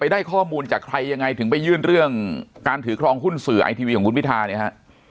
ได้ข้อมูลจากใครยังไงถึงไปยื่นเรื่องการถือครองหุ้นสื่อไอทีวีของคุณพิธาเนี่ยฮะ